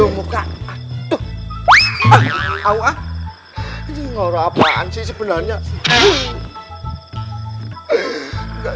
muka apaan sih sebenarnya